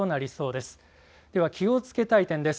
では気をつけたい点です。